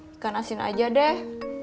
ikan asin aja deh